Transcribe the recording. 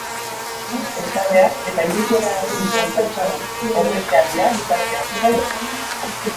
Eskaleak eta iruzurra egin duten pertsonen erbestealdia luzatzea.